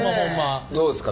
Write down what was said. どうですか？